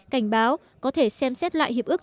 cảnh báo có thể xem xét lại hiệp ước